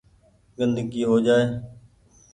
گندگي هو جآئي۔